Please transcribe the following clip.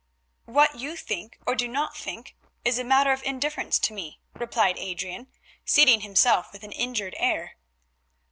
"What you think, or do not think, is a matter of indifference to me," replied Adrian, seating himself with an injured air.